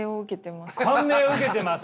感銘を受けてます。